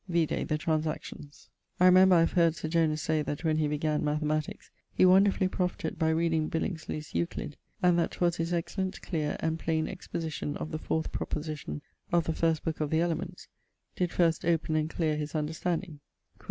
Vide the Transactions. I remember I have heard Sir Jonas say that when he began mathematiques, he wonderfully profited by reading Billingesley's Euclid, and that 'twas his excellent, cleare, and plaine exposition of the 4ᵗʰ proposition of the first booke of the Elements, did first open and cleare his understanding: quod N.